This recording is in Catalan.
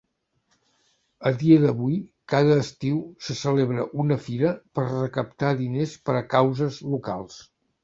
A dia d'avui, cada estiu se celebra una fira per recaptar diners per a causes locals.